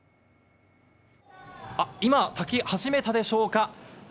今、炊き始めたでしょうか。